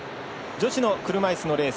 女子の車いすのレース。